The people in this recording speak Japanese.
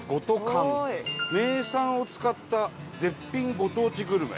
「名産を使った絶品ご当地グルメ」。